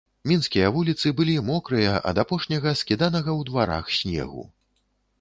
Мінскія вуліцы былі мокрыя ад апошняга скіданага ў дварах снегу.